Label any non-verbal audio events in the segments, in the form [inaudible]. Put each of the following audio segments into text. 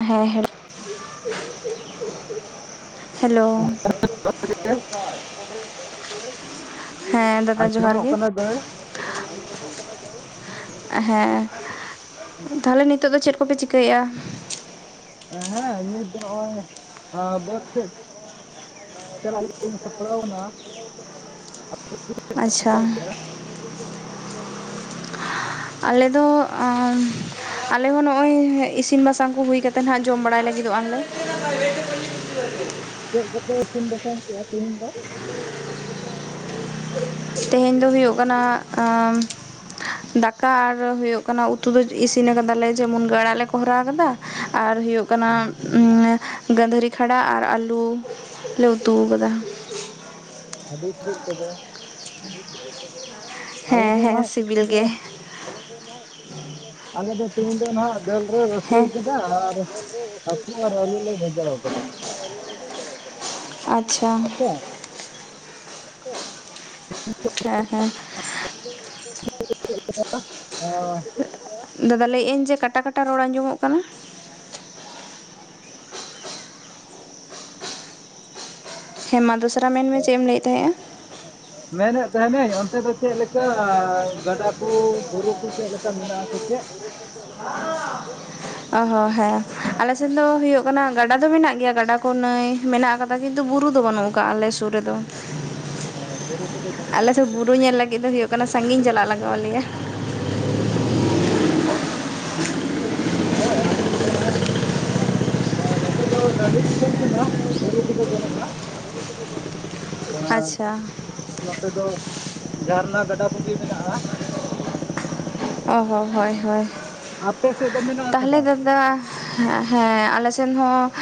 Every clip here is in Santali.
ᱦᱮᱸᱮ ᱾ ᱦᱮᱞᱳ ᱾ ᱦᱮᱸ ᱫᱟᱫᱟ ᱡᱚᱦᱟᱨ ᱟᱸᱡᱚᱢᱚᱜ ᱜᱮ ᱾ ᱠᱟᱱᱟ ᱫᱟᱹᱭ? ᱦᱮᱸ ᱛᱟᱦᱚᱞᱮ ᱱᱤᱛᱚᱜ ᱫᱚ ᱪᱮᱫ ᱠᱚᱯᱮ ᱪᱤᱠᱟᱹᱭᱮᱼᱟ ᱾ ᱦᱮᱸ ᱱᱤᱛ ᱫᱚ ᱱᱚᱜᱼᱚᱭ ᱵᱟᱹᱫ ᱥᱮ ᱾ ᱪ ᱥᱯᱲᱟᱣᱱᱟ [inaudible] ᱟᱪᱷᱟ ᱾ ᱟᱞᱮ ᱫᱚ ᱾ ᱟᱞᱮ ᱦᱚᱸ ᱱᱚᱜᱼᱚᱭ ᱤᱥᱤᱱ ᱵᱟᱥᱟᱝ ᱠᱚ ᱦᱩᱭ ᱠᱟ ᱠᱟᱛᱮᱫ ᱦᱟᱸᱜ ᱡᱚᱢ ᱵᱟᱲᱟᱭ ᱞᱟᱹᱜᱤᱫᱚᱜᱼᱟᱞᱮ ᱾ [unintelligible] ᱪᱮᱫ ᱡᱚᱛᱚ ᱤᱥᱤᱱ ᱵᱟᱥᱟᱝ ᱠᱚᱼᱟ ᱛᱮᱦᱤᱧ ᱫᱚ ᱾ ᱛᱮᱦᱮᱧ ᱫᱚ ᱦᱩᱭᱩᱜ ᱠᱟᱱᱟ ᱾ ᱫᱟᱠᱟ ᱟᱨ ᱦᱩᱭᱩᱜ ᱠᱟᱱᱟ ᱩᱛᱩ ᱫᱚ ᱤᱥᱤᱱ ᱠᱟᱫᱟᱞᱮ ᱡᱮᱢᱚᱱ ᱜᱟᱲᱟᱜ ᱞᱮ ᱠᱚᱨᱟᱣ ᱠᱟᱫᱟ ᱟᱨ ᱦᱩᱭᱩᱜ ᱾ ᱠᱟᱱᱟ ᱜᱟᱹᱫᱷᱟᱹᱨᱤ ᱠᱷᱟᱰᱟ ᱟᱨ ᱟᱞᱩ ᱞᱮ ᱩᱛᱩ ᱟᱠᱟᱫᱟ ᱾ ᱟᱫᱚᱤᱥ ᱵ ᱛᱚᱵ [inaudible] [unintelligible] ᱟᱞᱮ ᱫᱚ ᱦᱮᱸ ᱱᱟᱦᱟᱜ ᱥᱤᱵᱤᱞ ᱛᱮᱦᱤᱧ ᱫᱚ ᱜᱮ [inaudible] ᱟᱞᱮ ᱫᱚ ᱛᱮᱦᱤᱧ ᱫᱚ ᱱᱟᱦᱟᱜ ᱾ ᱫᱟᱹᱞ ᱨᱮ ᱨᱟᱹᱥᱩ ᱦᱮᱸ ᱠᱟᱫᱟ ᱟᱨ ᱦᱟᱹᱠᱩᱟᱨ ᱟᱞᱩ ᱞᱮ ᱵᱟᱡᱟᱣ ᱟᱠᱟᱫᱟ ᱾ ᱟᱪᱷᱟ ᱾ ᱟᱪᱪᱷᱟ ᱦᱮᱸ ᱦᱮᱸ᱾ [unintelligible] ᱦ [inaudible] ᱫᱟᱫᱟ ᱞᱟᱹᱭᱮᱫ ᱟᱹᱧ ᱡᱮ ᱠᱟᱴᱟ ᱠᱟᱴᱟ ᱨᱚᱲ ᱟᱸᱡᱚᱢᱚᱜ ᱠᱟᱱᱟ ᱾ ᱦᱮᱸ ᱢᱟ ᱫᱚᱥᱨᱟ ᱢᱮᱱ ᱢᱮ ᱪᱮᱜ ᱮᱢ ᱞᱟᱹᱭᱮᱫ ᱛᱟᱦᱮᱸᱜᱼᱟ? ᱢᱮᱱᱮᱫ ᱛᱟᱦᱮᱱᱟᱹᱧ ᱚᱱᱛᱮ ᱫᱚ ᱪᱮᱫ ᱞᱮᱠᱟ ᱜᱟᱰᱟ ᱠᱚ ᱵᱩᱨᱩ ᱠᱚ ᱪᱮᱫ ᱞᱮᱠᱟ ᱢᱮᱱᱟᱜ ᱟᱥᱮ ᱪᱮᱫ? [inaudible] [inaudible] ᱚᱦᱚ ᱦᱮᱸ ᱟᱞᱮ ᱥᱮᱱ ᱫᱚ ᱦᱩᱭᱩᱜ ᱠᱟᱱᱟ ᱜᱟᱰᱟ ᱫᱚ ᱢᱮᱱᱟᱜ ᱜᱮᱭᱟ ᱜᱟᱰᱟ ᱠᱚ ᱱᱟᱹᱭ ᱢᱮᱱᱟᱜ ᱟᱠᱟᱫ ᱫᱟᱜ ᱠᱤᱱᱛᱩ ᱵᱩᱨᱩ ᱫᱚ ᱵᱟᱹᱱᱩᱜ ᱟᱠᱟᱜᱼᱟ ᱟᱞᱮ ᱥᱩᱨ ᱨᱮ ᱫᱚ᱾ [inaudible] ᱵᱩᱨᱩ ᱠᱚᱫᱚ ᱵᱟᱹᱱᱩᱜᱼᱟ ᱟᱞᱮ ᱥᱮᱫ ᱵᱩᱨᱩ ᱧᱮᱞ ᱞᱟᱹᱜᱤᱫ ᱫᱚ ᱦᱩᱭᱩᱜ ᱠᱟᱱᱟ ᱥᱟᱺᱜᱤᱧ ᱪᱟᱞᱟᱜ ᱞᱟᱜᱟᱣ ᱟᱞᱮᱭᱟ ᱦᱚᱭ ᱟᱞᱮ ᱠᱚᱫᱚ ᱱᱟᱦᱟᱜ ᱱᱚᱛᱮ ᱫᱚ ᱴᱟᱺᱰᱤ ᱫᱤᱥᱚᱢ ᱠᱟᱱᱟ ᱵᱩᱨᱩ ᱠᱚ ᱫᱚ ᱵᱟᱹᱱᱩᱜᱼᱟ᱾ ᱟᱪᱪᱷᱟ [unintelligible] ᱱᱚᱛᱮ ᱫᱚ ᱡᱷᱟᱨᱱᱟ ᱜᱟᱰᱟ ᱠᱚ ᱜᱮ ᱢᱮᱱᱟᱜᱼᱟ᱾ ᱚᱦᱚ ᱦᱚᱭ ᱦᱚᱭ ᱟᱯᱮ ᱥᱮᱫ ᱫᱚ ᱢᱮᱱᱟᱜ ᱟᱥᱮ ᱛᱟᱦᱚᱞᱮ ᱵᱟᱝ ᱫᱟᱫᱟ ᱦᱮᱸ ᱦᱮᱸ ᱟᱞᱮ ᱥᱮᱱ ᱦᱚᱸ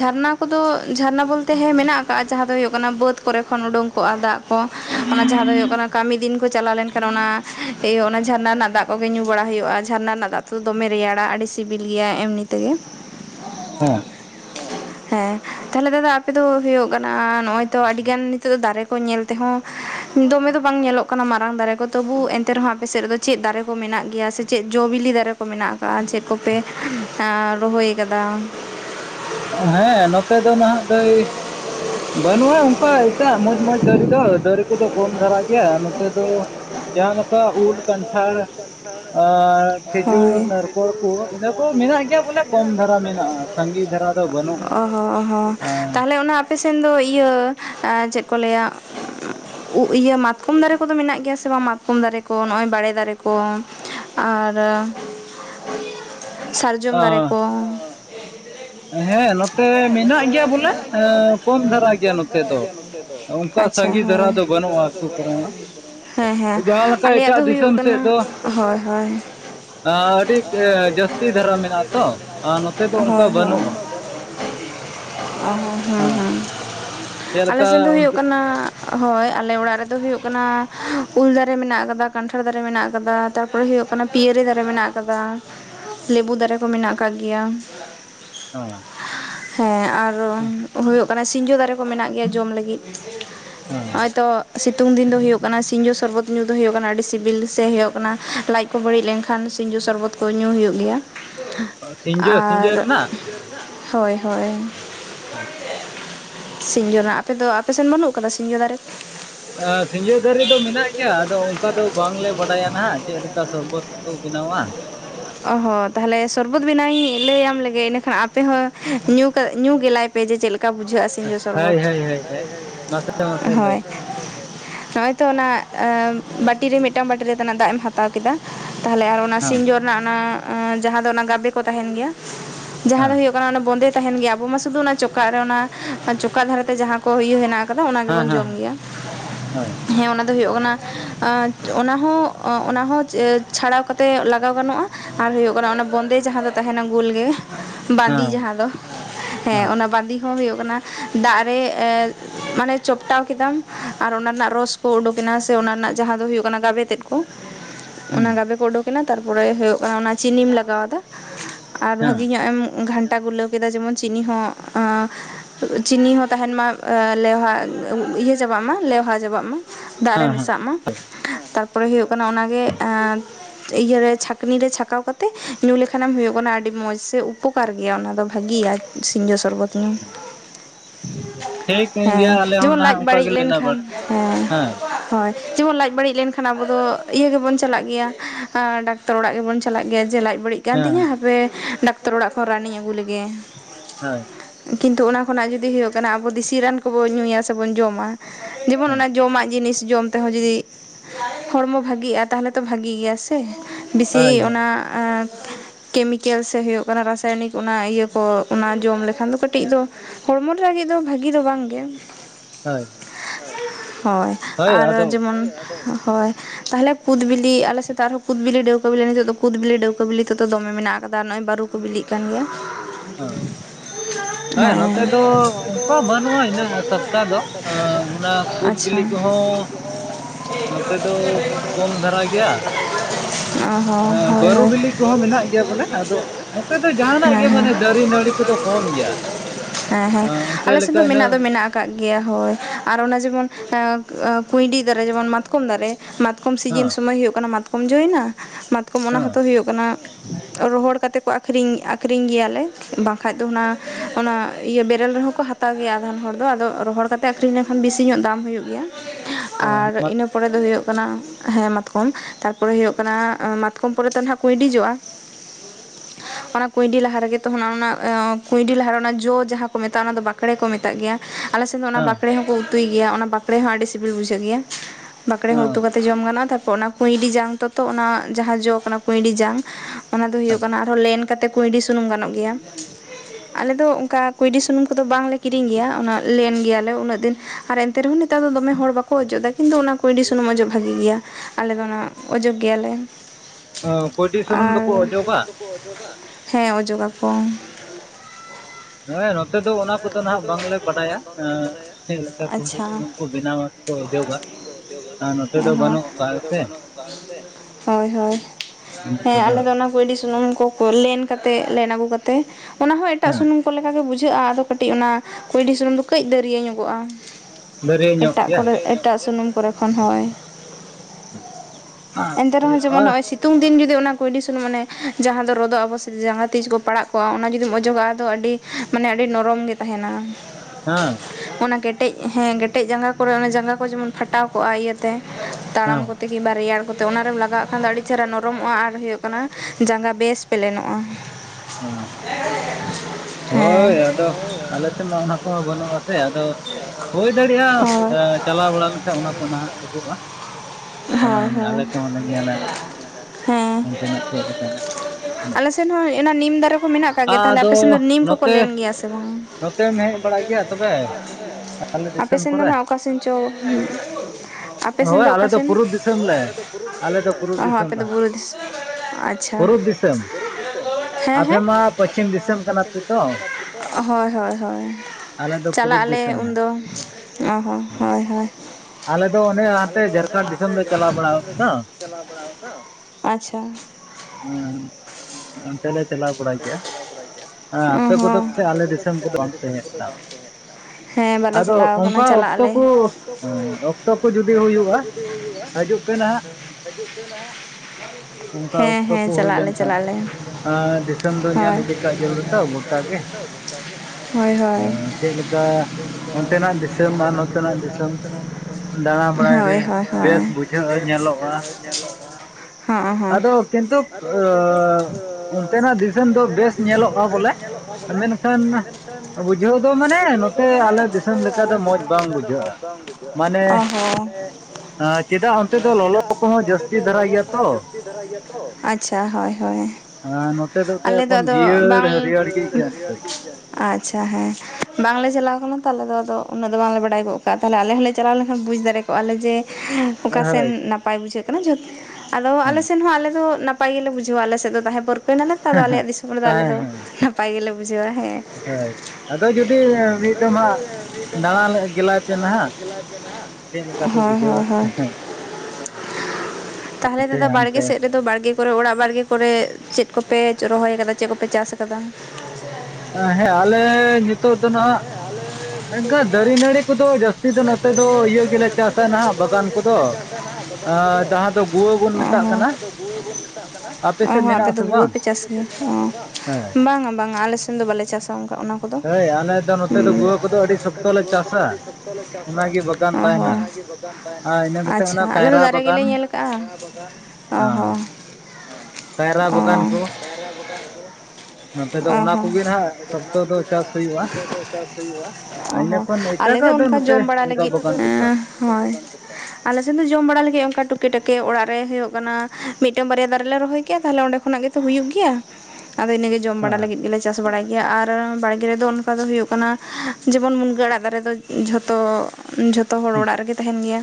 ᱡᱷᱟᱨᱱᱟ ᱠᱚ ᱫᱚ ᱡᱷᱟᱨᱱᱟ ᱵᱚᱞᱛᱮ ᱢᱮᱱᱟᱜᱼᱟ ᱟᱠᱟᱜᱼᱟ ᱡᱟᱦᱟᱸ ᱫᱚ ᱦᱩᱭᱩᱜ ᱠᱟᱱᱟ ᱵᱟᱹᱫᱽ ᱠᱚᱨᱮ ᱠᱷᱚᱱ ᱚᱸᱰᱚᱝ ᱠᱚᱜᱼᱟ ᱫᱟᱜ ᱠᱚ ᱚᱱᱟ ᱡᱟᱦᱟᱸ ᱫᱚ ᱦᱩᱭᱩᱜ ᱠᱟᱱᱟ ᱠᱟᱹᱢᱤ ᱫᱤᱱ ᱠᱚ ᱪᱟᱞᱟᱣ ᱞᱮᱱ ᱠᱷᱟᱱ ᱚᱱᱟ ᱚᱱᱟ ᱨᱟᱱ ᱫᱟᱜ ᱡᱷᱟᱨᱱᱟ ᱨᱮᱱᱟᱜ ᱫᱟᱜ ᱠᱚ ᱜᱮ ᱧᱩᱸ ᱵᱟᱲᱟ ᱦᱩᱭᱩᱜᱼᱟ ᱡᱷᱟᱨᱱᱟ ᱨᱮᱱᱟᱜ ᱫᱟᱜ ᱛᱮ ᱫᱚ ᱫᱚᱢᱮ ᱨᱮᱭᱟᱲᱟ ᱟᱹᱰᱤ ᱥᱤᱵᱤᱞ ᱜᱮᱭᱟ ᱮᱢᱱᱤ ᱛᱮᱜᱮ᱾ ᱦᱮᱸ ᱦᱮᱸ ᱛᱟᱦᱞᱮ ᱫᱟᱫᱟ ᱟᱯᱮ ᱫᱚ ᱦᱩᱭᱩᱜ ᱠᱟᱱᱟ ᱱᱚᱜᱼᱚᱭ ᱛᱚ ᱟᱹᱰᱤ ᱜᱟᱱ ᱱᱤᱛᱚᱜ ᱫᱚ ᱫᱟᱨᱮ ᱠᱚ ᱧᱮᱞ ᱛᱮᱦᱚᱸ ᱫᱚᱢᱮ ᱫᱚ ᱵᱟᱝ ᱧᱮᱞᱚᱜ ᱠᱟᱱᱟ ᱢᱟᱨᱟᱝ ᱫᱟᱨᱮ ᱠᱚ ᱛᱟᱹᱵᱩ ᱮᱱᱛᱮ ᱨᱮᱦᱚᱸ ᱟᱯᱮ ᱥᱮᱫ ᱨᱮ ᱫᱚ ᱪᱮᱫ ᱫᱟᱨᱮ ᱠᱚ ᱢᱮᱱᱟᱜ ᱜᱮᱭᱟ ᱥᱮ ᱪᱮᱫ ᱡᱚ ᱵᱤᱞᱤ ᱫᱟᱨᱮ ᱠᱚ ᱢᱮᱱᱟᱜ ᱟᱠᱟᱜᱼᱟ ᱪᱮᱫ ᱠᱚᱯᱮ ᱨᱚᱦᱚᱭ ᱟᱠᱟᱫᱟ᱾ ᱦᱮᱸ ᱱᱚᱛᱮ ᱫᱚ ᱱᱟᱦᱟᱜ ᱫᱟᱹᱭ ᱵᱟᱹᱱᱩᱜᱼᱟ ᱚᱱᱠᱟ ᱮᱴᱟᱜ ᱢᱚᱸᱡᱽ ᱢᱚᱸᱡᱽ ᱫᱟᱨᱮ ᱫᱚ ᱫᱟᱨᱮ ᱠᱚᱫᱚ ᱠᱚᱢ ᱫᱷᱟᱨᱟ ᱜᱮᱭᱟ ᱱᱚᱛᱮ ᱫᱚ᱾ ᱡᱟᱦᱟᱸ ᱞᱮᱠᱟ ᱩᱞ ᱠᱟᱱᱴᱷᱟᱲ᱾ ᱠᱷᱤᱡᱩᱨ ᱦᱳᱭ ᱱᱟᱨᱠᱚᱲ ᱠᱚ ᱤᱱᱟᱹ ᱠᱚ ᱢᱮᱱᱟᱜ ᱜᱮᱭᱟ ᱵᱚᱞᱮ ᱠᱚᱢ ᱫᱷᱟᱨᱟ ᱢᱮᱱᱟᱜᱼᱟ ᱥᱟᱺᱜᱤᱧ ᱫᱷᱟᱨᱟ ᱫᱚ ᱵᱟᱹᱱᱩᱜᱼᱟ ᱚᱦᱚ ᱚᱦᱚ ᱛᱟᱦᱞᱮ ᱚᱱᱟ ᱟᱯᱮ ᱥᱮᱱ ᱫᱚ ᱤᱭᱟᱹ ᱪᱮᱫ ᱠᱚ ᱞᱟᱹᱭᱟ᱾ ᱩ ᱤᱭᱟᱹ ᱢᱟᱛᱠᱚᱢ ᱫᱟᱨᱮ ᱠᱚᱫᱚ ᱢᱮᱱᱟᱜ ᱜᱮᱭᱟ ᱥᱮ ᱵᱟᱝ ᱢᱟᱛᱠᱚᱢ ᱫᱟᱨᱮ ᱠᱚ ᱱᱚᱜᱼᱚᱭ ᱵᱟᱲᱮ ᱫᱟᱨᱮ ᱠᱚ᱾ ᱟᱨ ᱥᱟᱨᱡᱚᱢ ᱫᱟᱨᱮ ᱠᱚ? ᱦᱮᱸ ᱱᱚᱛᱮ ᱢᱮᱱᱟᱜ ᱜᱮᱭᱟ ᱵᱚᱞᱮ ᱠᱚᱢ ᱫᱷᱟᱨᱟ ᱜᱮᱭᱟ ᱱᱚᱛᱮ ᱫᱚ᱾ ᱚᱱᱠᱟ ᱟᱪᱪᱷᱟ ᱥᱟᱸᱜᱮ ᱫᱷᱟᱨᱟ ᱦᱚᱭ ᱫᱚ ᱵᱟᱹᱱᱩᱜᱼᱟ ᱟᱹᱛᱩ ᱠᱚᱨᱮ ᱦᱚᱸ ᱦᱮᱸ ᱦᱮᱸ ᱡᱟᱦᱟᱸ ᱞᱮᱠᱟ ᱟᱞᱮᱭᱟᱜ ᱫᱚ ᱮᱴᱟᱜ ᱦᱩᱭᱩᱜ ᱫᱤᱥᱚᱢ ᱠᱟᱱᱟ᱾ ᱥᱮᱫ ᱫᱚ ᱦᱚᱭ ᱟᱹᱰᱤ ᱡᱟᱹᱥᱛᱤ ᱫᱷᱟᱨᱟ ᱢᱮᱱᱟᱜᱼᱟ ᱛᱚ ᱟᱨ ᱱᱚᱛᱮ ᱫᱚ᱾ ᱦᱚᱭ ᱵᱟᱹᱱᱩᱜᱼᱟ ᱚᱦᱚ ᱦᱩᱸ ᱦᱮᱸ ᱦᱩᱸ ᱪᱮᱫ ᱟᱞᱮ ᱞᱮᱠᱟ ᱥᱮᱱ ᱫᱚ ᱦᱩᱭᱩᱜ ᱚᱱᱛᱮ ᱠᱟᱱᱟ᱾ ᱦᱚᱭ ᱟᱞᱮ ᱚᱲᱟᱜ ᱨᱮᱫᱚ ᱦᱩᱭᱩᱜ ᱠᱟᱱᱟ ᱩᱞ ᱫᱟᱨᱮ ᱢᱮᱱᱟᱜ ᱟᱠᱟᱫᱟ ᱠᱟᱱᱴᱷᱟᱲ ᱫᱟᱨᱮ ᱢᱮᱱᱟᱜ ᱠᱟᱫᱟ ᱛᱟᱯᱚᱨᱮ ᱦᱚᱭ ᱦᱩᱭᱩᱜ ᱠᱟᱱᱟ ᱯᱤᱭᱟᱹᱨᱤ ᱫᱟᱨᱮ ᱢᱮᱱᱟᱜ ᱟᱠᱟᱫᱟ ᱞᱮᱵᱩ ᱫᱟᱨᱮ ᱠᱚ ᱢᱮᱱᱟᱜ ᱟᱠᱟᱫ ᱜᱮᱭᱟ᱾ [unintelligible] [inaudible] ᱦᱮᱸ ᱟᱨ ᱦᱩᱭᱩᱜ ᱠᱟᱱᱟ ᱥᱤᱧᱡᱚ ᱫᱟᱨᱮ ᱠᱚ ᱢᱮᱱᱟᱜ ᱜᱮᱭᱟ ᱡᱚᱢ ᱞᱟᱹᱜᱤᱫ᱾ ᱦᱮᱸ ᱱᱚᱜᱼᱚᱭ ᱛᱚ ᱥᱤᱛᱩᱝ ᱫᱤᱱ ᱫᱚ ᱦᱩᱭᱩᱜ ᱠᱟᱱᱟ ᱥᱤᱧᱡᱚ ᱥᱚᱨᱵᱚᱛ ᱧᱩᱸ ᱫᱚ ᱦᱩᱭᱩᱜ ᱠᱟᱱᱟ ᱟᱹᱰᱤ ᱥᱤᱵᱤᱞ ᱥᱮ ᱦᱩᱭᱩᱜ ᱠᱟᱱᱟ᱾ ᱞᱟᱡ ᱠᱚ ᱵᱟᱹᱲᱤᱡ ᱞᱮᱱ ᱠᱷᱟᱱ ᱥᱤᱧᱡᱚ ᱥᱚᱨᱵᱚᱛ ᱠᱚ ᱧᱩᱸ ᱦᱩᱭᱩᱜ ᱜᱮᱭᱟ᱾ ᱥᱤᱸᱡᱳ ᱥᱤᱸᱡᱳ ᱟᱨ ᱨᱮᱱᱟᱜ ᱦᱚᱭ ᱦᱚᱭ᱾ [unintelligible] ᱥᱤᱧᱡᱚ ᱨᱮᱱᱟᱜ ᱟᱯᱮ ᱫᱚ ᱟᱯᱮ ᱥᱮᱱ ᱵᱟᱹᱱᱩᱜ ᱟᱠᱟᱫᱟ ᱥᱤᱧᱡᱚ ᱫᱟᱨᱮ ᱠᱚ? ᱥᱤᱧᱡᱚ ᱫᱟᱨᱮ ᱫᱚ ᱢᱮᱱᱟᱜ ᱜᱮᱭᱟ ᱟᱫᱚ ᱚᱱᱠᱟ ᱫᱚ ᱵᱟᱝ ᱞᱮ ᱵᱟᱰᱟᱭᱟ ᱱᱟᱦᱟᱜ ᱪᱮᱫ ᱞᱮᱠᱟ ᱥᱚᱨᱵᱚᱛ ᱠᱚ ᱵᱮᱱᱟᱣᱟ᱾ ᱚᱦᱚ ᱛᱟᱦᱚᱞᱮ ᱥᱚᱨᱵᱚᱛ ᱵᱮᱱᱟᱣ ᱤᱧ ᱞᱟᱹᱭ ᱟᱢ ᱞᱮᱜᱮ ᱤᱱᱟᱹ ᱠᱷᱟᱱ ᱟᱯᱮ ᱦᱚᱸ ᱧᱩ ᱜᱮᱞᱟᱭ ᱯᱮ ᱡᱮ ᱪᱮᱫ ᱞᱮᱠᱟ ᱪᱚᱫ ᱞᱮᱠᱟ ᱵᱩᱡᱷᱟᱹᱜᱼᱟ ᱥᱤᱧᱡᱚ ᱦᱳᱭ ᱥᱚᱨᱵᱚᱛ ᱦᱳᱭ ᱦᱳᱭ ᱦᱳᱭ ᱢᱟᱥᱮ ᱢᱟᱥᱮ ᱞᱟᱹᱭ ᱦᱚᱭ ᱱᱚᱜᱼᱚᱭ ᱛᱚ ᱚᱱᱟ ᱵᱟᱹᱴᱤ ᱨᱮ ᱢᱤᱫᱴᱟᱹᱝ ᱵᱟᱹᱴᱤ ᱨᱮᱱᱟᱜ ᱫᱟᱜ ᱮᱢ ᱦᱟᱛᱟᱣ ᱠᱮᱫᱟ ᱛᱟᱦᱞᱮ ᱟᱨ ᱦᱮᱸ ᱥᱤᱧᱡᱚ ᱨᱮᱱᱟᱜ ᱚᱱᱟ ᱡᱟᱦᱟᱸ ᱫᱚ ᱚᱱᱟ ᱜᱟᱵᱮ ᱠᱚ ᱛᱟᱦᱮᱱ ᱜᱮᱭᱟ ᱡᱟᱦᱟᱸ ᱦᱮᱸ ᱫᱚ ᱦᱩᱭᱩᱜ ᱠᱟᱱᱟ ᱵᱚᱱᱫᱚᱭ ᱛᱟᱦᱮᱱ ᱜᱮ ᱟᱵᱚ ᱢᱟ ᱥᱩᱫᱩ ᱚᱱᱟ ᱪᱚᱠᱟᱜ ᱨᱮ ᱚᱱᱟ ᱪᱚᱠᱟᱜ ᱫᱷᱟᱨᱮ ᱛᱮ ᱡᱟᱦᱟᱸ ᱠᱚ ᱦᱮᱱᱟᱜᱼᱟ ᱚᱱᱟ ᱦᱮᱸ ᱜᱮᱵᱚᱱ ᱡᱚᱢ ᱦᱮᱸ ᱜᱮᱭᱟ ᱦᱳᱭ ᱦᱮᱸ ᱚᱱᱟ ᱫᱚ ᱦᱩᱭᱩᱜ ᱠᱟᱱᱟ ᱚᱱᱟ ᱦᱚᱸ ᱚᱱᱟ ᱦᱚᱸ ᱪᱷᱟᱲᱟᱣ ᱠᱟᱛᱮ ᱞᱟᱜ ᱞᱟᱜᱟᱣ ᱜᱟᱱᱚᱜᱼᱟ ᱟᱨ ᱦᱩᱭᱩᱜ ᱚᱱᱟ ᱵᱚᱱᱫᱮ ᱡᱟᱦᱟᱸ ᱫᱚ ᱛᱟᱦᱮᱱᱟ ᱜᱩᱞ ᱜᱮ ᱦᱮᱸ ᱦᱮᱸ ᱵᱟᱸᱫᱤ ᱡᱟᱦᱟᱸ ᱫᱚ ᱦᱮᱸ ᱚᱱᱟ ᱵᱟᱸᱫᱤ ᱦᱚᱸᱦᱩᱭᱩᱜ ᱠᱟᱱᱟ ᱫᱟᱜ ᱨᱮ ᱢᱟᱱᱮ ᱪᱚᱯᱴᱟᱣ ᱠᱮᱫᱟᱢ ᱟᱨ ᱚᱱᱟ ᱨᱮᱱᱟᱜ ᱨᱚᱥ ᱠᱚ ᱩᱰᱩᱠᱮᱱᱟ ᱥᱮ ᱚᱱᱟ ᱨᱮᱱᱟᱜ ᱡᱟᱦᱟᱸ ᱫᱚ ᱦᱩᱭᱩᱜ ᱠᱟᱱᱟ ᱜᱟᱵᱮ ᱛᱮᱫ ᱠᱚ ᱚᱱᱟ ᱜᱟᱵᱮ ᱠᱚ ᱩᱰᱩᱠᱮᱱᱟ ᱛᱟᱨᱯᱚᱨᱮ ᱦᱳᱭᱳᱜ ᱠᱟᱱᱟ ᱚᱱᱟ ᱪᱤᱱᱤᱢ ᱞᱟᱜᱟᱣᱫᱟ ᱟᱨ ᱦᱮᱸ ᱦᱮᱸ ᱵᱷᱟᱜᱮ ᱧᱚᱜ ᱮᱢ ᱜᱷᱟᱱᱴᱟ ᱜᱩᱞᱟᱹᱣ ᱠᱮᱫᱟ ᱡᱮᱢᱚᱱ ᱪᱤᱱᱤ ᱦᱚᱸ ᱚᱸ ᱪᱤᱱᱤ ᱦᱚᱸ ᱛᱟᱦᱮᱱᱢᱟ ᱞᱮᱣᱦᱟ ᱤᱭᱟᱹ ᱪᱟᱵᱟᱜ ᱢᱟ ᱞᱮᱣᱦᱟ ᱪᱟᱵᱟᱜ ᱢᱟ ᱫᱟᱜ ᱨᱮ ᱦᱮᱸ ᱦᱮᱸ ᱢᱮᱥᱟᱜ ᱢᱟ ᱛᱟᱨᱯᱚᱨᱮ ᱦᱩᱭᱩᱜ ᱠᱟᱱᱟ ᱚᱱᱟᱜᱮ ᱤᱭᱟᱹᱨᱮ ᱪᱷᱟᱠᱱᱤ ᱨᱮ ᱪᱷᱟᱠᱟᱣ ᱠᱟᱛᱮᱫ ᱧᱩ ᱞᱮᱠᱷᱟᱱᱮ ᱮᱢ ᱦᱩᱭᱩᱜ ᱠᱟᱱᱟ ᱟᱹᱰᱤ ᱢᱚᱸᱡᱽ ᱥᱮ ᱩᱯᱚᱠᱟᱨ ᱜᱮᱭᱟ ᱚᱱᱟ ᱫᱚ ᱵᱷᱟᱜᱤᱭᱟ ᱥᱤᱸᱡᱚ ᱥᱚᱨᱵᱚᱛ ᱧᱩ ᱴᱷᱤᱠ ᱜᱮᱭᱟ ᱦᱮᱸ ᱟᱞᱮ ᱦᱚᱸ ᱡᱮᱢᱚᱱ ᱱᱟᱦᱟᱜ ᱞᱟᱡ ᱚᱱᱠᱟ ᱵᱟᱹᱲᱤᱡ ᱜᱮᱞᱮ ᱵᱮᱱᱟᱣ ᱞᱮᱱᱠᱷᱟᱱ ᱵᱟᱲᱟᱭᱟ ᱦᱮᱸ ᱦᱳᱭ ᱡᱮᱢᱚᱱ ᱞᱟᱡ ᱵᱟᱹᱲᱤᱡ ᱞᱮᱱᱠᱷᱟᱱ ᱟᱵᱚ ᱫᱚ ᱤᱭᱟᱹ ᱜᱮᱵᱚᱱ ᱪᱟᱞᱟᱜ ᱜᱮᱭᱟ ᱰᱟᱠᱛᱚᱨ ᱚᱲᱟᱜ ᱜᱮᱵᱚᱱ ᱪᱟᱞᱟᱜ ᱜᱮᱭᱟ ᱡᱮ ᱞᱟᱡ ᱵᱟᱹᱲᱤᱡ ᱠᱟᱱ ᱦᱮᱸ ᱛᱤᱧᱟ ᱦᱟᱯᱮ ᱰᱟᱼᱼ ᱛᱚᱨ ᱚᱲᱟᱜ ᱠᱷᱚᱱ ᱨᱟᱱᱤᱧ ᱟᱹᱜᱩ ᱞᱮᱜᱮ ᱦᱳᱭ ᱠᱤᱱᱛᱩ ᱚᱱᱟ ᱠᱷᱚᱱᱟᱜ ᱡᱩᱫᱤ ᱦᱳᱭᱳᱠᱟᱱᱟ ᱠᱟᱱᱟ ᱟᱵᱚ ᱫᱮᱥᱤ ᱨᱟᱱ ᱠᱚᱵᱚᱱ ᱧᱩᱭᱟ ᱥᱮ ᱵᱚᱱ ᱡᱚᱢᱟ ᱡᱮᱢᱚᱱ ᱚᱱᱟ ᱦᱳᱭ ᱡᱚᱢᱟᱜ ᱡᱤᱱᱤᱥ ᱡᱚᱢ ᱛᱮᱦᱚᱸ ᱡᱩᱫᱤ ᱦᱚᱲᱢᱚ ᱵᱷᱟᱜᱤᱜᱼᱟ ᱛᱟᱦᱚᱞᱮ ᱛᱚ ᱵᱷᱟᱜᱤ ᱜᱮᱭᱟ ᱥᱮ ᱵᱤᱥᱤ ᱦᱳᱭ ᱚᱱᱟ ᱦᱳᱭ ᱮ ᱠᱮᱢᱤᱠᱮᱞ ᱥᱮ ᱦᱩᱭᱩᱜ ᱠᱟᱱᱟ ᱨᱟᱥᱟᱭᱱᱤᱠ ᱚᱱᱟ ᱤᱭᱟᱹ ᱠᱚ ᱚᱱᱟ ᱡᱚᱢ ᱞᱮᱠᱷᱟᱱ ᱫᱚ ᱠᱟᱹᱴᱤᱡ ᱫᱚ ᱦᱚᱲᱢᱚ ᱞᱟᱹᱜᱤᱫ ᱫᱚ ᱵᱷᱟᱹᱜᱤ ᱫᱚ ᱵᱟᱝ ᱜᱮ ᱦᱳᱭ ᱦᱳᱭ ᱟᱨ ᱡᱮᱢᱚᱱ ᱦᱳᱭ ᱛᱟᱦᱚᱞᱮ ᱠᱩᱫ ᱵᱤᱞᱤ ᱟᱞᱮ ᱥᱮᱫ ᱟᱨᱦᱚᱸ ᱠᱩᱫ ᱵᱤᱞᱤ ᱰᱟᱹᱣᱠᱟᱹ ᱵᱤᱞᱤ ᱱᱤᱛᱚᱜ ᱫᱚ ᱠᱩᱫ ᱵᱤᱞᱤ ᱰᱟᱹᱣᱠᱟᱹ ᱵᱤᱞᱤ ᱱᱤᱛᱚᱜ ᱫᱚᱢᱮ ᱢᱮᱱᱟᱜ ᱠᱟᱫᱟ ᱱᱚᱜᱼᱚᱭ ᱵᱟᱹᱨᱩ ᱠᱚ ᱵᱤᱞᱤᱜ ᱠᱟᱱ ᱜᱮᱭᱟ ᱦᱮᱸ ᱦᱮᱸ ᱱᱚᱛᱮ ᱫᱚ ᱚᱱᱠᱟ ᱵᱟᱹᱱᱩᱜᱼᱟ ᱤᱱᱟᱹᱜ ᱥᱚᱠᱛᱟ ᱫᱚ ᱚᱱᱟ ᱦᱮᱸ ᱠᱩᱫ ᱟᱪᱪᱷᱟ ᱵᱤᱞᱤ ᱠᱚᱦᱚᱸ ᱱᱚᱛᱮ ᱫᱚ ᱠᱚᱢ ᱫᱷᱟᱨᱟ ᱜᱮᱭᱟ [inaudible] ᱚ ᱦᱚᱸ ᱦᱳᱭ ᱵᱟᱹᱨᱩ ᱦᱳᱭ ᱵᱤᱞᱤ ᱠᱚᱦᱚᱸ ᱢᱮᱱᱟᱜ ᱜᱮᱭᱟ ᱵᱚᱞᱮ ᱟᱫᱚ ᱱᱚᱛᱮ ᱫᱚ ᱡᱟᱦᱟᱱᱟᱜ ᱦᱮᱸ ᱜᱮ ᱦᱮᱸ ᱢᱟᱱᱮ ᱫᱟᱨᱮ ᱱᱟᱹᱲᱤ [inaudible] ᱫᱚ ᱠᱚᱢ ᱜᱮᱭᱟ ᱦᱮᱸ ᱦᱮᱸ ᱚᱱᱛᱮ ᱟᱞᱮ ᱥᱮᱫ ᱫᱚ ᱞᱮᱠᱟ ᱢᱮᱱᱟᱜ ᱤᱱᱟᱹᱜ ᱫᱚ ᱢᱮᱱᱟᱜ ᱟ ᱠᱟᱜ ᱜᱮᱭᱟ ᱦᱳᱭ ᱟᱨ ᱚᱱᱟ ᱡᱮᱢᱚᱱ ᱠᱩᱸᱩᱭᱰᱤ ᱫᱟᱨᱮ ᱡᱮᱢᱚᱱ ᱢᱟᱛᱠᱚᱢ ᱫᱟᱨᱮ ᱢᱟᱛᱠᱚᱢ ᱥᱤᱡᱤᱱ ᱦᱮᱸ ᱥᱚᱢᱚᱭ ᱦᱩᱭᱩᱜ ᱠᱟᱱᱟ ᱢᱟᱛᱠᱚᱢ ᱡᱚᱭᱮᱱᱟ ᱢᱟᱛᱠᱚᱢ ᱚᱱᱟ ᱦᱚᱛᱚ ᱦᱮᱸ ᱦᱩᱭᱩᱜ ᱠᱟᱱᱟ ᱨᱚᱦᱚᱲ ᱠᱟᱛᱮ ᱠᱚ ᱟᱠᱨᱤᱧ ᱟᱠᱨᱤᱧᱟ ᱜᱮᱭᱟᱞᱮ ᱵᱟᱠᱷᱟᱡ ᱫᱚ ᱚᱱᱟ ᱚᱱᱟ ᱵᱮᱨᱮᱞ ᱨᱮᱦᱚᱸ ᱠᱚ ᱦᱟᱼᱼ ᱦᱟᱛᱟᱣ ᱜᱮᱭᱟ ᱟᱫᱷᱟᱱ ᱦᱚᱲ ᱫᱚ ᱟᱫᱚ ᱨᱚᱦᱚᱲ ᱠᱟᱛᱮ ᱟᱠᱷᱨᱤᱧ ᱞᱮᱠᱷᱟᱱ ᱵᱮᱥᱤ ᱧᱚᱜ ᱫᱟᱢ ᱦᱩᱭᱩᱜ ᱜᱮᱭᱟ ᱟᱨ ᱤᱱᱟᱹ ᱦᱮᱸ ᱯᱚᱨᱮ ᱫᱚ ᱦᱩᱭᱩᱜ ᱠᱟᱱᱟ ᱦᱮᱸ ᱢᱟᱛᱠᱚᱢ ᱯᱚᱨᱮ ᱦᱩᱭᱩᱜ ᱠᱟᱱᱟ ᱢᱟᱛᱠᱚᱢ ᱯᱚᱨᱮ ᱫᱚ ᱱᱟᱜ ᱠᱩᱸᱭᱰᱤ ᱡᱚᱜᱼᱟ ᱚᱱᱟ ᱠᱩᱸᱰᱤ ᱞᱟᱦᱟ ᱨᱮᱜᱮ ᱛᱚ ᱚᱱᱟ ᱠᱩᱸᱭᱰᱤ ᱞᱟᱦᱟᱨᱮᱜᱮ ᱛᱮ ᱚᱱᱟ ᱚᱱᱟ ᱠᱩᱸᱭᱰᱤ ᱞᱟᱦᱟᱨᱮ ᱡᱚ ᱡᱟᱦᱟᱸ ᱠᱚ ᱢᱮᱛᱟᱜᱼᱟ ᱚᱱᱟ ᱫᱚ ᱵᱟᱸᱠᱲᱮ ᱠᱚ ᱢᱮᱛᱟᱜ ᱜᱮᱭᱟ ᱟᱞᱮ ᱥᱮᱱ ᱫᱚ ᱚᱱᱟ ᱵᱟᱸᱠᱲᱮ ᱦᱚᱸᱠᱚ ᱩᱛᱩᱭ ᱜᱮᱭᱟ ᱚᱱᱟ ᱵᱟᱸᱠᱲᱮ ᱦᱚᱸ ᱟᱹᱰᱤ ᱥᱤᱵᱤᱞ ᱵᱩᱡᱷᱟᱹᱜ ᱜᱮᱭᱟ ᱵᱟᱸᱠᱲᱮ ᱦᱚᱸ ᱩᱛᱩ ᱦᱮᱸ ᱠᱟᱛᱮ ᱛᱮ ᱡᱚᱢ ᱜᱟᱱᱚᱜᱼᱟ ᱛᱟᱨᱯᱚᱨ ᱚᱱᱟ ᱠᱩᱸᱭᱰᱤ ᱡᱟᱝ ᱛᱚᱛᱚ ᱚᱱᱟ ᱡᱟᱦᱟᱸ ᱡᱚ ᱚᱱᱟ ᱠᱩᱸᱭᱰᱤ ᱡᱟᱝ ᱚᱱᱟ ᱫᱚ ᱦᱳᱭᱳᱜ ᱠᱟᱱᱟ ᱟᱨᱦᱚᱸ ᱞᱮᱱ ᱠᱟᱛᱮ ᱠᱸᱩᱭᱰᱤ ᱥᱩᱱᱩᱢ ᱜᱟᱱᱚᱜ ᱜᱮᱭᱟ ᱟᱞᱮ ᱫᱚ ᱚᱱᱠᱟ ᱠᱩᱸᱭᱰᱤ ᱥᱩᱱᱩᱢ ᱠᱚᱫᱚ ᱵᱟᱝᱞᱮ ᱠᱤᱨᱤᱧ ᱜᱮᱭᱟ ᱚᱱᱟ ᱞᱮᱱ ᱜᱮᱭᱟᱞᱮ ᱩᱱᱟᱹᱜ ᱫᱤᱱ ᱟᱨ ᱮᱱᱛᱮ ᱨᱮᱦᱚᱸ ᱱᱮᱛᱟᱨ ᱫᱚ ᱫᱚᱢᱮ ᱦᱚᱲ ᱵᱟᱠᱚ ᱚᱡᱚᱜ ᱮᱫᱟ ᱠᱤᱱᱛᱩ ᱚᱱᱟ ᱠᱩᱸᱭᱰᱤ ᱥᱩᱱᱩᱢ ᱚᱡᱚᱜᱽ ᱵᱷᱟᱜᱤ ᱜᱮᱭᱟ ᱟᱞᱮ ᱫᱚ ᱚᱱᱟ ᱚᱡᱚᱜᱽ ᱜᱮᱭᱟᱞᱮ ᱠᱩᱸᱭᱰᱤ ᱥᱩᱱᱩᱢ ᱟᱨ ᱫᱚᱠᱚ ᱚᱡᱚᱜᱟ? ᱦᱮᱸ ᱚᱡᱚᱜᱟᱠᱚ ᱦᱮᱸ ᱱᱚᱛᱮ ᱫᱚ ᱚᱱᱟ ᱠᱚᱫᱚ ᱱᱚᱛᱮ ᱱᱟᱦᱟᱜ ᱫᱚ ᱚᱱᱟ ᱵᱟᱝᱞᱮ ᱠᱚᱫᱚ ᱦᱟᱜ ᱵᱟᱰᱟᱭᱟ ᱵᱟᱝᱞᱮ ᱵᱟᱰᱟᱭᱟ ᱪᱮᱫ ᱞᱮᱠᱟ ᱠᱩᱭᱰᱤ ᱟᱪᱪᱷᱟ ᱥᱩᱱᱩᱢ ᱠᱚ ᱵᱮᱱᱟᱣᱟ ᱥᱮ ᱚᱡᱚᱜᱟ ᱟᱨ ᱱᱚᱛᱮ ᱮ ᱫᱚ ᱦᱮᱸ ᱵᱟᱹᱱᱩᱜ ᱟᱠᱟᱫᱟ ᱱᱚᱛᱮᱫᱚ ᱥᱮ ᱵᱟᱹᱱᱩᱜᱼᱟ ᱦᱳᱭ ᱦᱳᱭ ᱦᱮᱸ ᱟᱞᱮ ᱫᱚ ᱚᱱᱟ ᱠᱩᱸᱭᱰᱤ ᱥᱩᱱᱩᱢ ᱠᱚ ᱠᱚ ᱞᱮᱱ ᱠᱟᱛᱮᱫ ᱞᱮᱱ ᱟᱹᱜᱩ ᱠᱟᱛᱮᱫ ᱚᱱᱟ ᱦᱚᱸᱚᱸ ᱮᱴᱟᱜ ᱦᱮᱸ ᱥᱩᱱᱩᱢ ᱪᱮᱫ ᱞᱮᱠᱟᱜᱮ ᱵᱩᱡᱷᱟᱹᱜᱼᱟ ᱟᱫᱚ ᱠᱟᱹᱴᱤᱡ ᱚᱱᱟ ᱠᱩᱭᱰᱤ ᱥᱩᱱᱩᱢ ᱫᱚ ᱠᱟᱹᱡ ᱫᱟᱹᱨᱭᱟᱹ ᱧᱚᱜᱚᱜᱼᱟ᱾ ᱫᱟᱹᱨᱭᱟᱹ ᱧᱚᱜ ᱮᱴᱟᱜ ᱜᱮᱭᱟ ᱠᱚᱨᱮᱜ ᱮᱴᱟᱜ ᱥᱩᱱᱩᱢ ᱠᱚᱨᱮ ᱠᱷᱚᱱ ᱦᱳᱭ᱾ [inaudible] ᱮᱱᱛᱮ ᱦᱮᱸ ᱨᱮᱦᱚᱸ ᱡᱮᱢᱚᱱ ᱱᱚᱜᱼᱚᱭ ᱥᱤᱛ ᱛᱩᱝ ᱫᱤᱱ ᱡᱩᱫᱤ ᱚᱱᱟ ᱠᱩᱭᱰᱤ ᱥᱩᱱᱩᱢ ᱢᱟᱱᱮ ᱡᱟᱦᱟᱸ ᱫᱚ ᱨᱚᱫᱚᱜ ᱟᱵᱚ ᱥᱮ ᱡᱟᱸᱜᱟ ᱛᱤᱥ ᱠᱚ ᱯᱟᱲᱟᱜ ᱠᱚᱜᱼᱟ ᱚᱱᱟ ᱡᱩᱫᱤᱢ ᱚᱡᱚᱜᱟᱼᱟ ᱟᱫᱚ ᱟᱹᱰᱤ ᱢᱟᱱᱮ ᱟᱹᱰᱤ ᱱᱚᱨᱚᱢ ᱜᱮ ᱛᱟᱦᱮᱱᱟ᱾ ᱦᱮᱸ᱾ ᱚᱱᱟ ᱠᱮᱴᱮᱡ ᱦᱮᱸ ᱠᱮᱴᱮᱡ ᱡᱟᱸᱜᱟ ᱠᱚᱨᱮ ᱚᱱᱟ ᱡᱟᱸᱜᱟ ᱠᱚ ᱡᱮᱢᱚᱱ ᱯᱷᱟᱴᱟᱣ ᱠᱚᱜᱼᱟ ᱤᱭᱟᱹᱛᱮ ᱛᱟᱲᱟᱢ ᱦᱮᱸ ᱠᱚᱛᱮ᱾ ᱠᱤᱝᱵᱟ ᱨᱮᱭᱟᱲ ᱠᱚᱛᱮ ᱚᱱᱟ ᱨᱮᱢ ᱞᱟᱜᱟᱣᱟᱜ ᱠᱷᱟᱱ ᱫᱚ ᱟᱹᱰᱤ ᱪᱮᱦᱨᱟ ᱱᱚᱨᱚᱢᱚᱜᱼᱟ ᱟᱨ ᱦᱩᱭᱩᱜ ᱠᱟᱱᱟ ᱡᱟᱸᱜᱟ ᱵᱮᱥ ᱯᱮᱞᱮᱱᱚᱜᱼᱟ᱾ [inaudible] ᱦᱮᱸ ᱦᱳᱭ ᱟᱫᱚ ᱟᱞᱮ ᱥᱮᱫᱢᱟ ᱚᱱᱟ ᱠᱚᱦᱚᱸ ᱵᱟᱹᱱᱩᱜᱼᱟ ᱥᱮ ᱟᱫᱚ᱾ ᱦᱩᱭ ᱫᱟᱲᱮᱜᱼᱟ ᱦᱳᱭ ᱪᱟᱞᱟᱣ ᱵᱟᱲᱟ ᱞᱮᱱᱠᱷᱟ ᱚᱱᱟ ᱠᱚ ᱱᱟᱦᱟᱜ ᱟᱹᱜᱩᱜᱼᱟ᱾ ᱦᱮ ᱦᱳᱭ ᱦᱳᱭ ᱟᱞᱮ ᱠᱚᱦᱚᱸ ᱞᱮ ᱧᱮᱞᱟ ᱦᱮᱸ ᱚᱱᱛᱮᱱᱟᱜ ᱪᱮᱫ ᱞᱮᱠᱟᱱᱟ᱾ ᱟᱞᱮ ᱥᱮᱱ ᱦᱚᱸ ᱚᱱᱟ ᱱᱤᱢ ᱫᱟᱨᱮ ᱠᱚ ᱢᱮᱱᱟᱜ ᱠᱟᱜ ᱜᱮᱭᱟ ᱛᱟᱦᱞᱮ ᱟᱯᱮ ᱟᱫᱚ ᱥᱮᱫ ᱫᱚ ᱱᱤᱢ ᱠᱚᱠᱚ ᱱᱚᱛᱮ ᱞᱮᱱ ᱜᱮᱭᱟ ᱥᱮ ᱵᱟᱝᱟ? ᱱᱚᱛᱮᱢ ᱦᱮᱡ ᱵᱟᱲᱟᱜ ᱜᱮᱭᱟ ᱛᱚᱵᱮ ᱟᱞᱮ ᱟᱯᱮ ᱫᱤᱥᱚᱢ ᱥᱮᱱ ᱫᱚ ᱠᱚᱨᱮ ᱱᱟᱦᱟᱜ ᱚᱠᱟ ᱥᱮᱱ ᱪᱚ ᱩᱸ᱾ ᱦᱳᱭ ᱟᱞᱮ ᱫᱚ ᱯᱩᱨᱩᱵ ᱫᱤᱥᱚᱢ ᱞᱮ᱾ ᱟᱞᱮ ᱫᱚ ᱯᱩᱨᱩᱵ ᱚ ᱦᱚᱸ ᱫᱤᱥᱚᱢ ᱟᱯᱮ ᱫᱚ ᱱᱟᱦᱟᱜ ᱵᱩᱨᱩ ᱫᱤᱥᱚᱢ ᱟᱪᱷᱟ! ᱯᱩᱨᱩᱵ ᱫᱤᱥᱚᱢ ᱦᱮᱸ ᱟᱯᱮ ᱦᱮᱸ ᱢᱟ ᱯᱚᱪᱷᱤᱢ ᱫᱤᱥᱚᱢ ᱠᱟᱱᱟ ᱯᱮ ᱛᱚ ᱦᱳᱭ ᱦᱳᱭ ᱦᱳᱭ᱾ ᱟᱞᱮ ᱫᱚ ᱯᱩᱨᱩᱵ ᱪᱟᱞᱟᱜ ᱟᱞᱮ ᱫᱤᱥᱚᱢ ᱱᱟᱦᱟᱜ ᱩᱱᱫᱚ ᱚ ᱦᱚᱸ ᱦᱳᱭ ᱦᱳᱭ᱾ ᱟᱞᱮ ᱫᱚ ᱚᱱᱮ ᱦᱟᱸᱛᱮ ᱡᱷᱟᱨᱠᱷᱟᱸᱰ ᱫᱤᱥᱚᱢ ᱞᱮ ᱪᱟᱞᱟᱣ ᱵᱟᱲᱟ ᱫᱚ᱾ ᱟᱪᱷᱟ᱾ ᱱᱤᱛᱚᱜ ᱞᱮ ᱪᱟᱞᱟᱣ ᱵᱟᱲᱟᱟᱜ ᱜᱮᱭᱟ᱾ ᱦᱮᱸ ᱚ ᱟᱯᱮ ᱠᱚᱫᱚ ᱦᱚᱸ ᱯᱟᱥᱮᱡ ᱟᱞᱮ ᱫᱤᱥᱚᱢ ᱠᱚᱫᱚ ᱵᱟᱝ ᱯᱮ ᱦᱮᱡ ᱵᱟᱲᱟᱣᱼᱟ᱾ ᱦᱮᱡ ᱟᱠᱟᱱᱟ ᱦᱮᱸ ᱵᱟᱞᱮ ᱟᱫᱚ ᱪᱟᱞᱟᱣ ᱠᱟᱱᱟ ᱚᱱᱠᱟ ᱪᱟᱞᱟᱜ ᱚᱠᱛᱚ ᱟᱞᱮ ᱠᱚ ᱚᱠᱛᱚ ᱠᱚ ᱡᱩᱫᱤ ᱦᱩᱭᱩᱜᱼᱟ ᱦᱟᱡᱩᱜ᱾ ᱯᱮ ᱱᱷᱟᱜ᱾ ᱚᱱᱠᱟ ᱦᱮᱸ ᱚᱠᱛᱚ ᱦᱮᱸ ᱠᱚ ᱦᱩᱭ ᱪᱟᱞᱟᱜ ᱟᱞᱮ ᱞᱮᱱᱠᱷᱟᱱ ᱪᱟᱞᱟᱜ ᱟᱞᱮ᱾ ᱫᱤᱥᱚᱢ ᱫᱚ ᱧᱮᱞ ᱦᱳᱭ ᱤᱫᱤ ᱠᱟᱜ ᱡᱟᱹᱨᱩᱲ ᱛᱚ ᱜᱚᱴᱟ ᱜᱮ᱾ ᱦᱳᱭ ᱦᱳᱭ ᱪᱮᱫ ᱞᱮᱠᱟ᱾ ᱚᱱᱛᱮᱱᱟᱜ ᱫᱤᱥᱟᱹᱢ ᱟᱨ ᱱᱚᱛᱮᱱᱟᱜ ᱫᱤᱥᱟᱹᱢ ᱫᱟᱬᱟ ᱵᱟᱲᱟᱭ ᱨᱮ ᱦᱳᱭ ᱦᱳᱭ ᱦᱳᱭ ᱵᱮᱥ ᱵᱩᱡᱷᱟᱹᱜᱼᱟ ᱧᱮᱞᱚᱜ ᱦᱚᱸ ᱦᱚᱸ ᱟᱫᱚ ᱠᱤᱱᱛᱩ ᱟᱸᱻᱻ ᱚᱱᱛᱮᱱᱟᱜ ᱫᱤᱥᱚᱢ ᱫᱚ ᱵᱮᱥ ᱧᱮᱞᱚᱜᱼᱟ ᱵᱚᱞᱮ ᱢᱮᱱᱠᱷᱟᱱ ᱵᱩᱡᱷᱟᱹᱣ ᱫᱚ ᱢᱟᱱᱮ ᱱᱟᱛ᱾ ᱛᱮ ᱟᱞᱮ ᱫᱤᱥᱟᱹᱢ ᱞᱮᱠᱟ ᱫᱚ ᱢᱚᱡᱽ ᱵᱟᱝ ᱵᱩᱡᱷᱟᱹᱜᱼᱟ ᱢᱟᱱᱮ ᱚ ᱦᱚᱸ ᱟ ᱪᱮᱫᱟᱜ ᱚᱱᱛᱮ ᱫᱚ ᱞᱚᱞᱚ ᱠᱚᱦᱚᱸ ᱡᱟᱹᱥᱛᱤ ᱫᱷᱟᱨᱟᱭ ᱜᱮᱭᱟ ᱛᱚ᱾ ᱫᱷᱟᱨᱟ ᱜᱮᱭᱟ ᱛᱚ ᱟᱪᱷᱟ ᱦᱳᱭ ᱦᱳᱭ᱾ ᱦᱮᱸ ᱱᱚᱛᱮ ᱟᱞᱮ ᱫᱚ ᱮᱠᱫᱚᱢ ᱟᱫᱚ ᱡᱤᱭᱟᱹᱲ ᱵᱟᱝ ᱦᱟᱹᱨᱭᱟᱹᱲ ᱜᱮ ᱟᱹᱭᱠᱟᱹᱜᱼᱟ ᱱᱚᱛᱮ ᱫᱚ ᱟᱪᱷᱟ ᱦᱮᱸ᱾ ᱵᱟᱝᱞᱮ ᱪᱟᱞᱟᱣ ᱠᱟᱱᱟ ᱛᱚ ᱟᱞᱮ ᱫᱚ ᱟᱫᱚ ᱩᱱᱟᱹᱜ ᱫᱚ ᱵᱟᱝᱞᱮ ᱵᱟᱲᱟᱭ ᱜᱚᱫ ᱠᱟᱜᱼᱟ ᱛᱟᱦᱞᱮ ᱟᱞᱮ ᱦᱚᱸᱞᱮ ᱪᱟᱞᱟᱣ ᱞᱮᱱᱠᱷᱟᱱ ᱵᱩᱡᱽ ᱫᱟᱲᱮ ᱠᱚᱜᱼᱟ ᱞᱮ ᱡᱮ ᱚᱠᱟ ᱥᱮᱱ ᱦᱳᱭ ᱦᱮᱸ ᱱᱟᱯᱟᱭ ᱵᱩᱡᱷᱟᱹᱜ ᱠᱟᱱᱟ ᱡᱷᱚᱛ ᱟᱫᱚ ᱟᱞᱮ ᱥᱮᱱ ᱦᱚᱸ ᱟᱞᱮ ᱫᱚ ᱱᱟᱯ ᱯᱟᱭ ᱜᱮᱞᱮ ᱵᱩᱡᱷᱟᱹᱣᱟ ᱟᱞᱮ ᱥᱮᱫ ᱫᱚ ᱛᱟᱦᱮᱸ ᱯᱟᱨᱠ- ᱦᱩᱭᱱᱟᱞᱮ ᱛᱚ ᱟᱫᱚ ᱟᱞᱮᱭᱟᱜ ᱫᱤᱥᱚᱢ ᱨᱮ ᱟᱞᱮ ᱦᱮᱸ ᱫᱚ ᱦᱮᱸ ᱱᱟᱯᱟᱭ ᱜᱮᱞᱮ ᱵᱩᱡᱷᱟᱹᱣᱟ ᱦᱮᱸ᱾ ᱦᱳᱭ ᱟᱫᱚ ᱡᱩᱫᱤ ᱢᱤᱫ ᱫᱚᱢ ᱦᱟᱸᱜ᱾ ᱫᱟᱬᱟ ᱞᱮᱼᱜᱮᱞᱟᱭ ᱯᱮ ᱱᱟᱦᱟᱜ ᱪᱮᱫ ᱞᱮᱠᱟ ᱯᱮ ᱦᱳᱭ ᱵᱩᱡᱷᱟᱹᱣᱟ᱾ ᱦᱳᱭ ᱦᱳᱭ ᱛᱟᱦᱚᱞᱮ ᱦᱟᱱᱛᱮ ᱫᱟᱫᱟ ᱵᱟᱲᱜᱮ ᱦᱟᱱᱛᱮ ᱥᱮᱫ ᱨᱮᱫᱚ ᱵᱟᱲᱜᱮᱼᱼ ᱠᱚᱨᱮ ᱚᱲᱟᱜ ᱵᱟᱲᱜᱮ ᱠᱚᱨᱮ ᱪᱮᱫ ᱠᱚᱯᱮ ᱨᱚᱦᱚᱭ ᱟᱠᱟᱫᱟ ᱪᱮᱫ ᱠᱚᱯᱮ ᱪᱟᱥ ᱠᱟᱫᱟ? ᱠᱟᱫᱟ᱾ ᱦᱮᱸ ᱦᱮᱸ ᱟᱞᱮ ᱱᱤᱛᱳ ᱫᱚ ᱱᱟ ᱦᱟᱜ ᱾ ᱢᱮᱱᱠᱷᱟᱱ ᱫᱟᱨᱤ ᱱᱟᱹᱲᱤ ᱠᱚᱫᱚ ᱡᱟᱹᱥᱛᱤ ᱫᱚ ᱱᱚᱛᱮ ᱫᱚ ᱤᱭᱟᱹ ᱜᱮᱞᱮ ᱪᱟᱥᱟ ᱱᱷᱟᱸᱜ ᱵᱟᱜᱟᱱ ᱠᱚᱫᱚ᱾ ᱡᱟᱦᱟᱸ ᱫᱚ ᱜᱩᱣᱟᱹ ᱵᱚᱱ ᱢᱮᱛᱟᱜ ᱚ ᱠᱟᱱᱟ ᱟᱯᱮ ᱚ ᱥᱮᱫ ᱦᱚᱸ ᱢᱮᱱᱟᱜ ᱫᱚ ᱟᱥᱮ ᱜᱩᱣᱟᱹ ᱵᱟᱝ? ᱯᱮ ᱪᱟᱥ ᱜᱮᱭᱟ ᱠᱚ, ᱦᱳᱭ ᱵᱟᱝᱟ ᱵᱟᱝᱟ ᱟᱞᱮ ᱥᱮᱱ ᱫᱚ ᱵᱟᱞᱮ ᱪᱟᱥᱟ ᱚᱝᱠᱟ ᱚᱱᱟ ᱠᱚ᱾ ᱦᱳᱭ ᱟᱞᱮ ᱫᱚ ᱱᱚᱛᱮ ᱫᱚ ᱜᱩᱣᱟᱹ ᱠᱚᱫᱚ ᱟᱹᱰᱤ ᱥᱚᱠᱛᱚ ᱞᱮ ᱪᱟᱥᱟ ᱚᱱᱟᱜᱮ ᱵᱟᱜᱟᱱ ᱛᱟᱦᱮᱱᱟ ᱟᱨ [unintelligible] ᱤᱱᱟᱹ ᱠᱟᱛᱮᱫ ᱟᱪᱪᱷᱟ ᱚᱱᱟ ᱟᱞᱮ ᱫᱚ ᱠᱟᱭᱨᱟ ᱫᱟᱨᱮ ᱜᱮᱞᱮ ᱵᱟᱜᱟᱱ ᱧᱮᱞ ᱠᱟᱜᱼᱟ ᱚ ᱦᱳᱭ ᱦᱚᱸ᱾ ᱟᱨ ᱚ ᱠᱟᱭᱨᱟ ᱵᱟᱜᱟᱱ ᱠᱚ ᱱᱚᱛᱮ ᱫᱚ ᱚ ᱚᱱᱟ ᱦᱚᱸ ᱠᱚᱜᱮ ᱱᱟᱦᱟᱜ ᱥᱚᱠᱛᱚ ᱫᱚ ᱪᱟᱥ ᱦᱩᱭᱩᱜᱼᱟ ᱚ ᱤᱱᱟᱹ ᱦᱚᱸ ᱠᱷᱚᱱ [unintelligible] ᱟᱞᱮ ᱫᱚ ᱮᱴᱟᱜᱟᱜ ᱚᱱᱠᱟ ᱱᱚᱛᱮ ᱡᱚᱢ ᱵᱟᱲᱟ ᱚᱱᱠᱟ ᱞᱟᱹᱜᱤᱫ ᱵᱟᱜᱟᱱ ᱠᱚᱫᱚ ᱮ- ᱵᱟᱝ ᱦᱳᱭ ᱟᱞᱮ ᱥᱮᱱ ᱫᱚ ᱡᱚᱢ ᱵᱟᱲᱟ ᱞᱟᱹᱜᱤᱫ ᱚᱱᱠᱟ ᱴᱩᱠᱮ ᱴᱟᱠᱮ ᱚᱲᱟᱜ ᱨᱮ ᱦᱩᱭᱩᱜ ᱠᱟᱱᱟ ᱢᱤᱫᱴᱮᱱ ᱵᱟᱨᱭᱟ ᱫᱟᱨᱮ ᱞᱮ ᱨᱚᱦᱚᱭ ᱠᱮᱫᱭᱟ ᱛᱟᱦᱞᱮ ᱚᱸᱰᱮ ᱠᱷᱚᱱᱟᱜ ᱜᱮᱛᱚ ᱦᱩᱭᱩᱜ ᱜᱮᱭᱟ ᱟᱫᱚ ᱤᱱᱟᱹᱜᱮ ᱡᱚᱢ ᱵᱟᱲᱟ ᱦᱳᱭ ᱞᱟᱹᱜᱤᱫ ᱜᱮᱞᱮ ᱪᱟᱥ ᱵᱟᱲᱟᱭ ᱜᱮᱭᱟ ᱟᱨ ᱵᱟᱲᱜᱮ ᱨᱮᱫᱚ ᱚᱱᱠᱟ ᱫᱚ ᱦᱩᱭᱩᱜ ᱠᱟᱱᱟ ᱡᱮᱢᱚᱱ ᱢᱩᱱᱜᱟᱹ ᱟᱲᱟᱜ ᱫᱟᱨᱮ ᱫᱚ ᱡᱷᱚᱛᱚ ᱡᱷᱚᱛᱚ ᱦᱚᱲ ᱚᱲᱟᱜ ᱨᱮᱜᱮ ᱛᱟᱦᱮᱱ ᱜᱮᱭᱟ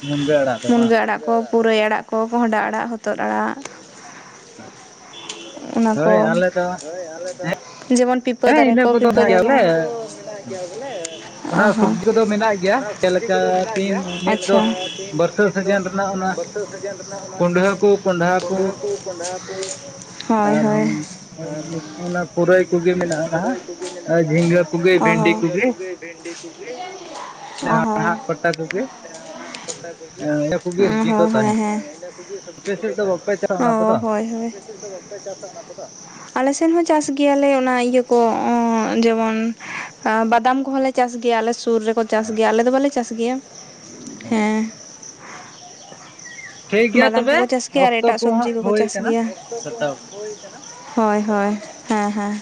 ᱢᱩᱱᱜᱟ ᱵᱮᱲᱟ᱾ ᱢᱩᱱᱜᱟᱹ ᱟᱲᱟᱜ ᱠᱚ ᱯᱩᱨᱟᱹᱭ ᱟᱲᱟᱜ ᱠᱚ ᱠᱚᱸᱦᱰᱟ ᱟᱲᱟᱜ ᱦᱚᱛᱚᱫ ᱟᱲᱟᱜ᱾ ᱚᱱᱟ ᱠᱚ ᱦᱳᱭ ᱟᱞᱮ ᱫᱚ ᱡᱮᱢᱚᱱ ᱯᱤᱯᱟᱹ ᱯᱤᱯᱟᱹ ᱦᱮᱸ ᱫᱟᱨᱮ ᱤᱱᱟᱹ ᱠᱚ ᱠᱚᱫᱚ ᱯᱤᱯᱟᱹ ᱚᱱᱟ ᱫᱚ ᱜᱮᱭᱟᱞᱮ ᱵᱟᱝ᱾ ᱚ ᱚᱱᱟ ᱦᱚᱸ ᱥᱚᱵᱽᱡᱤ ᱠᱚᱫᱚ ᱢᱮᱱᱟᱜ ᱜᱮᱭᱟ ᱡᱮᱞᱮᱠᱟ ᱛᱤᱦᱤᱧ ᱱᱤᱛ ᱫᱚ ᱟᱪᱪᱷᱟ᱾ ᱵᱟᱹᱨᱥᱟᱹ ᱱᱤᱛ ᱫᱚ ᱥᱤᱡᱮᱱ ᱨᱮᱱᱟᱜ ᱚᱱᱟ ᱵᱟᱹᱨᱥᱟᱹ ᱥᱤᱡᱤᱱ ᱨᱮᱱᱟᱜ ᱚᱱᱟ ᱠᱩᱸᱰᱷᱟᱹ ᱠᱚ ᱠᱚᱸᱰᱷᱟ ᱠᱩᱰᱟᱹ ᱠᱚ ᱠᱚᱸᱰᱷᱟ ᱠᱚ [unintelligible] ᱦᱚᱭ ᱦᱚᱭ᱾ ᱟᱨᱦᱚᱸ ᱚᱱᱟ ᱯᱩᱨᱟᱹᱭ ᱠᱩᱜᱟᱹᱭ ᱵᱷᱮᱱᱸᱰᱤ ᱠᱚᱜᱮ᱾ ᱵᱷᱮᱱᱸᱰᱤ ᱡᱟᱦᱟᱸ ᱯᱟᱲᱦᱟᱜ ᱯᱟᱴᱟ ᱠᱚᱜᱮ᱾ ᱤᱱᱟᱹ ᱠᱚᱜᱮ ᱥᱚᱵᱽᱡᱤ ᱚ ᱠᱚ ᱦᱮᱸ ᱦᱮᱸ ᱛᱟᱦᱮᱱᱟ ᱦᱮᱸ ᱟᱯᱮ ᱥᱮᱫ ᱫᱚ ᱵᱟᱯᱮ ᱪᱟᱥᱟ ᱚ ᱚᱱᱟ ᱠᱚᱫᱚ ᱦᱳᱭ ᱦᱳᱭ᱾ ᱟᱯᱮ ᱫᱚ ᱵᱟᱯᱮ ᱪᱟᱥ-ᱟ ᱚᱱᱟᱜ ᱠᱚᱫᱚ᱾ ᱟᱞᱮ ᱥᱮᱫ ᱦᱚᱸ ᱪᱟᱥ ᱜᱮᱭᱟᱞᱮ ᱚᱱᱟ ᱤᱭᱟᱹ ᱠᱚ ᱡᱮᱢᱚᱱ ᱵᱟᱫᱟᱢ ᱠᱚᱦᱚᱸᱞᱮ ᱪᱟᱥ ᱜᱮᱭᱟ ᱟᱞᱮ ᱥᱩᱨ ᱨᱮᱠᱚ ᱪᱟᱥ ᱜᱮᱭᱟ ᱟᱞᱮ ᱫᱚ ᱵᱟᱞᱮ ᱪᱟᱥ ᱜᱮᱭᱟ ᱦᱮᱸ᱾ ᱴᱷᱤᱠ ᱜᱮᱭᱟ ᱵᱟᱫᱟᱢ ᱛᱚᱵᱮ ᱠᱚᱠᱚ ᱪᱟᱥ ᱜᱮᱭᱟ ᱟᱨ ᱚᱠᱛᱚ ᱮᱴᱟᱜ ᱠᱚ ᱥᱚᱵᱡᱤ ᱦᱟᱸᱜ ᱠᱚᱠᱚ ᱦᱩᱭ ᱪᱟᱥ ᱠᱟᱱᱟ ᱜᱮᱭᱟ᱾ ᱠᱟᱴᱟᱣ ᱦᱚᱭ ᱦᱚᱭ ᱦᱮᱸ ᱦᱮᱸ᱾